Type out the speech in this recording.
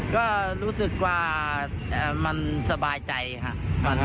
ก็รู้สึกว่ามันสบายใจค่ะ